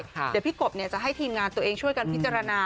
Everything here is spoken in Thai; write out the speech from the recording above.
เดี๋ยวพี่กบจะให้ทีมงานตัวเองช่วยกันพิจารณา